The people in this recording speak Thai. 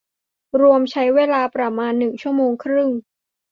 รวมใช้เวลาประมาณหนึ่งชั่วโมงครึ่ง